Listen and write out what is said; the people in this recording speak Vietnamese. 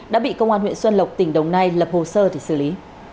đã bị công an huyện xuân lộc tỉnh đồng nai lập hồ sơ để xử lý